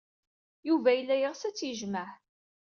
Yuba yella yeɣs ad tt-yejmeɛ.